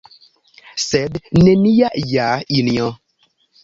Sed nenia ja, Injo!